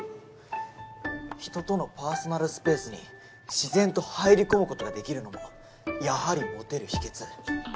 人とのパーソナルスペースに自然と入り込むことができるのもやはりモテる秘けつ。